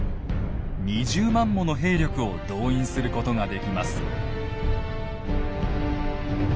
２０万もの兵力を動員することができます。